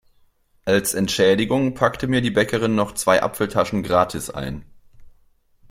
Als Entschädigung packte mir die Bäckerin noch zwei Apfeltaschen gratis ein.